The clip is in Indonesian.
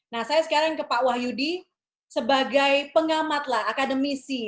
nah saya sekarang ke pak wahyudi sebagai pengamat lah akademisi